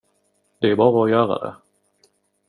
Det är bara att göra det.